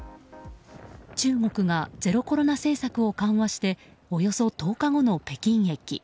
中国がゼロコロナ政策を緩和しておよそ１０日後の北京駅。